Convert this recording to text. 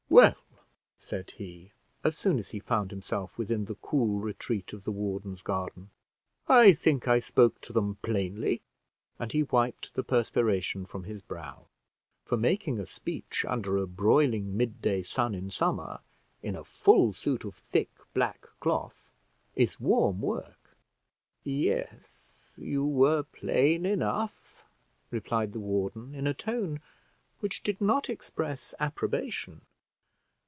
"Well," said he, as soon as he found himself within the cool retreat of the warden's garden; "I think I spoke to them plainly." And he wiped the perspiration from his brow; for making a speech under a broiling mid day sun in summer, in a full suit of thick black cloth, is warm work. "Yes, you were plain enough," replied the warden, in a tone which did not express approbation.